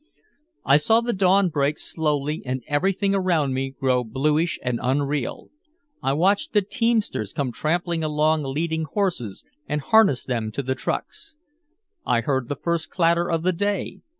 I saw the dawn break slowly and everything around me grow bluish and unreal. I watched the teamsters come tramping along leading horses, and harness them to the trucks. I heard the first clatter of the day.